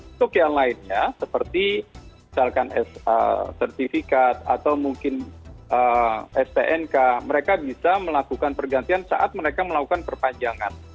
untuk yang lainnya seperti misalkan sertifikat atau mungkin stnk mereka bisa melakukan pergantian saat mereka melakukan perpanjangan